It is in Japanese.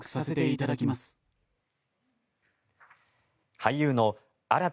俳優の新田